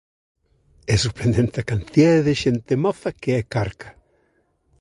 É sorprendente a cantidade de xente moza que é carca.